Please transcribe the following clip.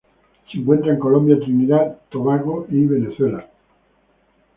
Se encuentra en Colombia, Trinidad y Tobago y Venezuela.